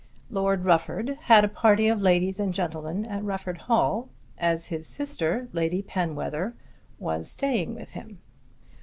Lord Rufford had a party of ladies and gentlemen at Rufford Hall, as his sister, Lady Penwether, was staying with him.